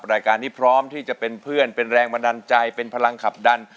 รายการนี้พร้อมที่จะเป็นเพื่อนเป็นแรงบันดาลใจเป็นพลังขับดัน